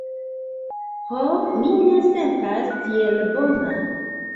Ho, mi ne sentas tiel bona.